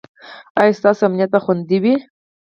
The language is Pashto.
ایا ستاسو امنیت به خوندي وي؟